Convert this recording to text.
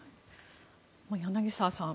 柳澤さん